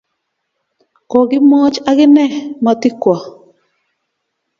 Kokimwoch akine matikwo